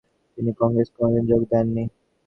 তিনি কংগ্রেসে কোনদিন যোগ দেন নি।